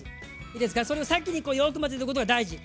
いいですかそれを先によく混ぜとくことが大事。